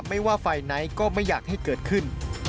ไม่ว่าฝ่ายไหนก็ไม่อยากให้เกิดขึ้น